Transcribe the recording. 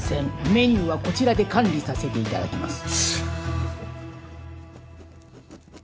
メニューはこちらで管理させていただきます。